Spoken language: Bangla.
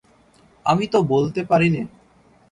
আমি তো বলতে পারি নে।